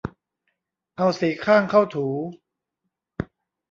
เอาสีข้างเข้าถู